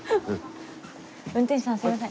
運転手さんすいません